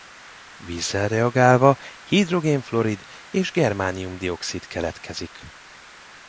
Vízzel reagálva hidrogén-fluorid és germánium-dioxid keletkezik.